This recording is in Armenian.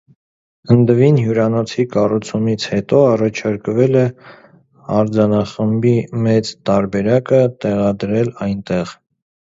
«Դվին» հյուրանոցի կառուցումից հետո առաջարկվել է արձանախմբի մեծ տարբերակը տեղադրել այնտեղ։